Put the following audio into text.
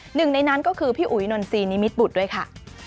หนึ่งในนั้นก็คือพี่อุ๋ยนนซีนิมิตบุตรด้วยค่ะ